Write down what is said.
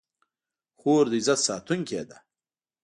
خور د عزت ساتونکې ده.